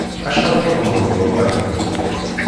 Acḥal txedmeḍ ɣur Dda Ḥemmu?